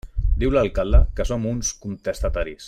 Diu l'alcalde que som uns contestataris.